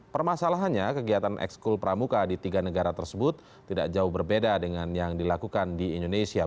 permasalahannya kegiatan ekskul pramuka di tiga negara tersebut tidak jauh berbeda dengan yang dilakukan di indonesia